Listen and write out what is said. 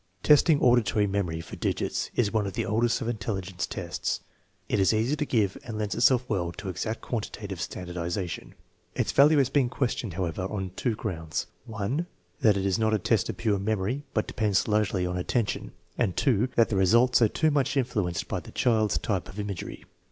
Testing auditory memory for digits is one of the oldest of intelligence tests. It is easy to give and lends itself well to exact quantitative standardization. Its value has been questioned, however, on two grounds: (1) That it is not a test of pure memory, but depends largely on attention; and (2) that the results are too much influenced by the child's type of imagery.